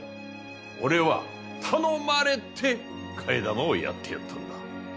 俺は頼まれて替え玉をやってやったんだ。